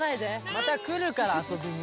またくるからあそびに。